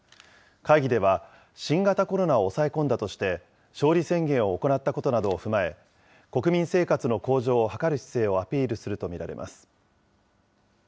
会議では、新型コロナを抑え込んだとして、勝利宣言を行ったことなどを踏まえ、国民生活の向上を図る姿勢をアピールすると見られます。